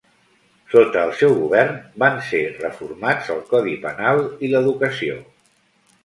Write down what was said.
Sota el seu govern van ser reformats el codi penal i l'educació.